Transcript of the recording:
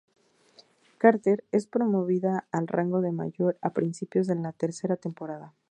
Carter es promovida al rango de Mayor a principios de la tercera temporada.